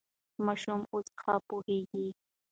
ماشومان اوس ښه پوهېږي.